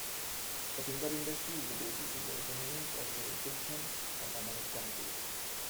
The timber industry is the basis of the economies of Wilkinson and Amite counties.